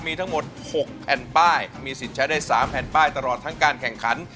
มีทั้งหมด๖แผ่นป้ายมีสิทธิ์ใช้ได้๓แผ่นป้ายตลอดทั้งการแข่งขัน